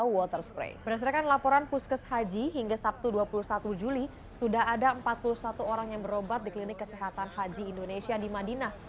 berdasarkan laporan puskes haji hingga sabtu dua puluh satu juli sudah ada empat puluh satu orang yang berobat di klinik kesehatan haji indonesia di madinah